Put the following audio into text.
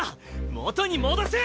元に戻せ！